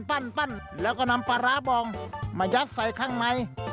เราก็นำปาราบองมายัดใส่ข้างใน